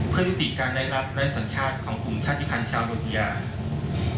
เพื่อติดการได้รัฐและสัญชาติของคุมชาติภัณฑ์ชาวโรหิงญา